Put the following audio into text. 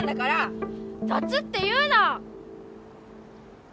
「ざつ」って言うな！